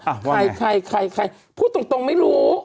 อ้าวว่าไงพูดตรงไม่รู้